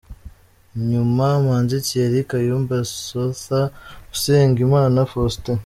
Inyuma: Manzi Thierry, Kayumba Sother, Usengimana Faustin.